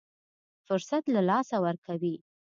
فرصت له لاسه ورکوي.